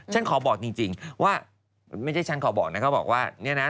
ฉันขอบอกจริงว่าไม่ใช่ฉันขอบอกนะเขาบอกว่าเนี่ยนะ